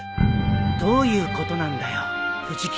どういうことなんだよ藤木